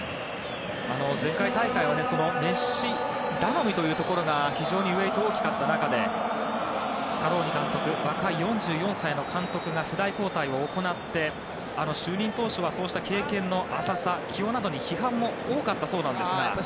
前回大会はメッシ頼みというところが非常にウェートが大きかった中でスカローニ監督若い４４歳の監督が世代交代を行って就任当初はそうした経験の浅さや起用などに批判も多かったそうなんですが。